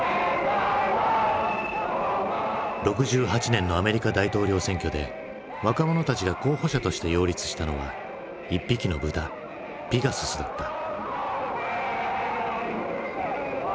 ６８年のアメリカ大統領選挙で若者たちが候補者として擁立したのは一匹の豚ピガススだった。